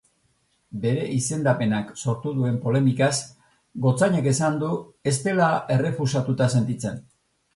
Bere izendapenak sortu duen polemikaz, gotzainak esan du ez dela errefusatuta sentitzen.